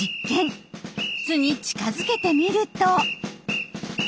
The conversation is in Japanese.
巣に近づけてみると。